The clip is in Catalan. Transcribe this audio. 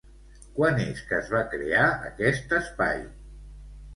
Quan és que es va crear aquest espai?